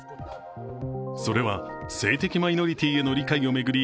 それは性的マイノリティーへの理解を巡り